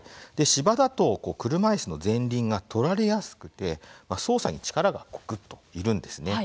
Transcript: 芝だと車いすの前輪が取られやすくて操作に力が、ぐっといるんです。